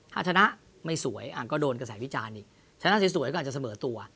ถ้าชนะไม่สวยก็โดนกระแสวิจารณ์อีกชนะสวยก็อาจจะเสมอตัว